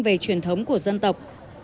về truyền thống của dân tộc